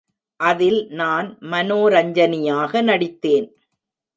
அதில் நான் மனோரஞ்சனியாக நடித்தேன்.